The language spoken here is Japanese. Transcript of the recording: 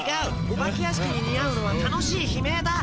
お化け屋敷に似合うのは楽しい悲鳴だ。